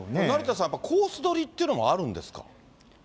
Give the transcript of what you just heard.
成田さん、やっぱコース取りっていうのもあるんですか。